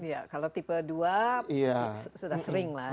ya kalau tipe dua sudah sering lah